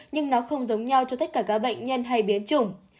nhưng nó không giống nhau cho tất cả các bệnh nhân hay biến chủng